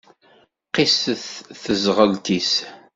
Qisset teẓɣelt-is.